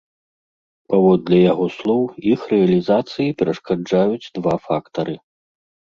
Паводле яго слоў, іх рэалізацыі перашкаджаюць два фактары.